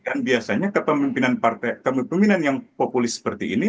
dan biasanya kepemimpinan yang populis seperti ini